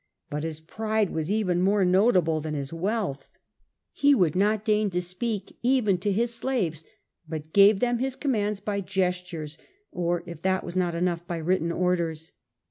But his pride was even more notable than his wealth. He would not deign to speak even to his slaves, but gave them his commands by gestures, or if that was not enough by written orders.